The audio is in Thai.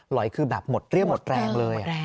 ไหล่คือแบบหมดเรื่องหมดแรงเลย